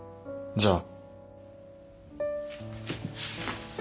じゃあ。